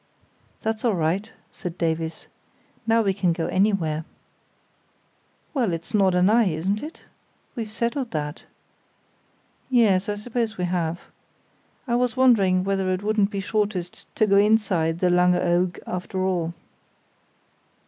"That's all right," said Davies. "Now we can go anywhere." "Well, it's Norderney, isn't it? We've settled that." "Yes, I suppose we have. I was wondering whether it wouldn't be shortest to go inside Langeoog after all."